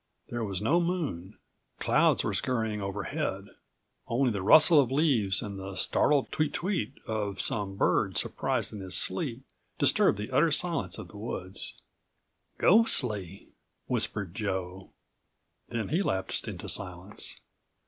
There was no moon. Clouds were scurrying overhead. Only the rustle of leaves and the startled tweet tweet of some bird surprised in his sleep disturbed the utter silence of the woods. "Ghostly," whispered Joe, then he lapsed into silence.